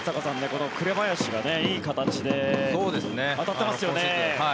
この紅林がいい形で当たってますよね。